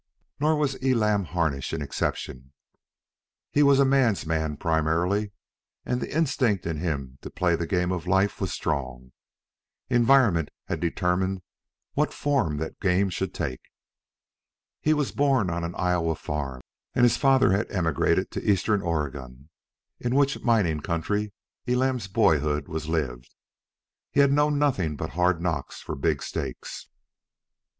Nor was Elam Harnish an exception. He was a man's man primarily, and the instinct in him to play the game of life was strong. Environment had determined what form that game should take. He was born on an Iowa farm, and his father had emigrated to eastern Oregon, in which mining country Elam's boyhood was lived. He had known nothing but hard knocks for big stakes.